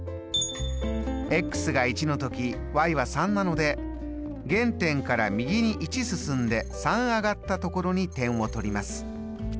が１の時は３なので原点から右に１進んで３上がったところに点を取ります。